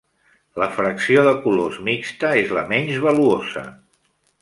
La fracció de colors mixta és la menys valuosa.